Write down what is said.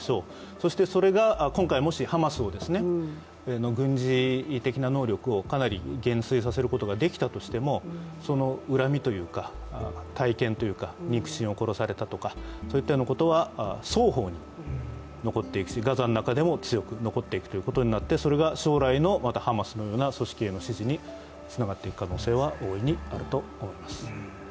そしてそれが今回、もしハマスの軍事的な能力をかなり減衰させることができたとしてもその恨みというか体験というか肉親を殺されたとかそういったことは双方に残っていくし、ガザの中でも強く残っていくということになってそれが将来のまたハマスのような組織への支持につながっていく可能性は大いにあると思います。